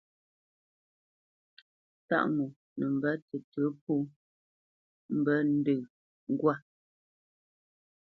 Tâʼ ŋo nə mbə́ tətə̌ pó mbə́ ndə ŋgwâ.